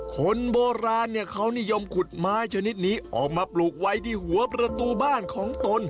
คนโบราณเนี่ยเขานิยมขุดไม้ชนิดนี้ออกมาปลูกไว้ที่หัวประตูบ้านของตน